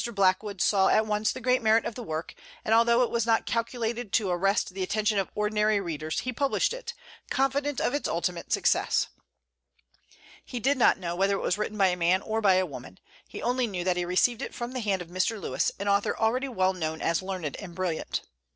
Blackwood saw at once the great merit of the work, and although it was not calculated to arrest the attention of ordinary readers he published it, confident of its ultimate success. He did not know whether it was written by a man or by a woman; he only knew that he received it from the hand of Mr. Lewes, an author already well known as learned and brilliant.